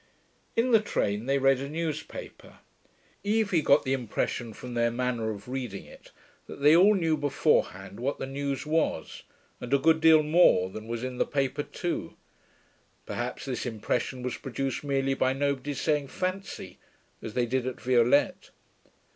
In the train they read a newspaper. Evie got the impression from their manner of reading it that they all knew beforehand what the news was, and a good deal more than was in the paper too; perhaps this impression was produced merely by nobody's saying 'Fancy,' as they did at Violette.